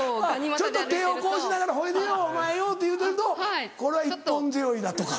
ちょっと手をこうしながら「ほいでよお前よ」て言うてると「これは一本背負いだ」とか。